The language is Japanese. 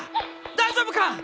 大丈夫か！？